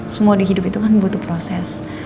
semua di hidup itu kan butuh proses